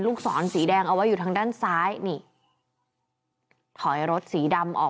ศรสีแดงเอาไว้อยู่ทางด้านซ้ายนี่ถอยรถสีดำออก